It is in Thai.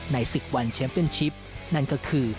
ศึกวันแชมป์เป็นชิปนั่นก็คือ